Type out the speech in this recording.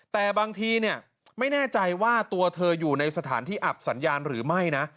แต่บางทีเนี่ยไม่แน่ใจว่าตัวเธออยู่ในสถานที่อับสัญญาณหรือไม่นะ